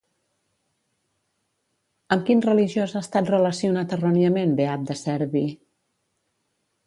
Amb quin religiós ha estat relacionat erròniament Beat de Cerbi?